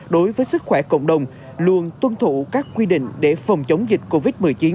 đối với sức khỏe cộng đồng luôn tuân thụ các quy định để phòng chống dịch covid một mươi chín một cách hiệu quả